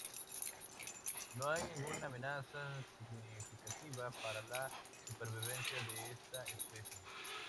No hay ninguna amenaza significativa para la supervivencia de esta especie.